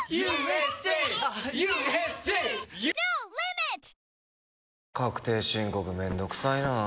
Ｎｏ．１確定申告めんどくさいな。